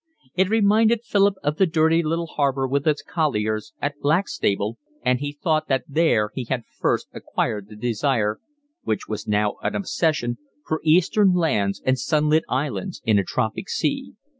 It reminded Philip of the dirty little harbour with its colliers at Blackstable, and he thought that there he had first acquired the desire, which was now an obsession, for Eastern lands and sunlit islands in a tropic sea.